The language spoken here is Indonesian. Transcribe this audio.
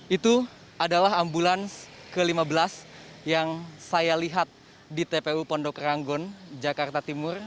itu adalah ambulans ke lima belas yang saya lihat di tpu pondok ranggon jakarta timur